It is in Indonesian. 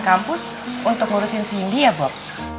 kampus untuk ngurusin cindy ya bob